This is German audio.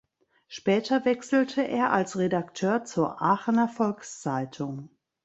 Später wechselte er als Redakteur zur Aachener Volkszeitung.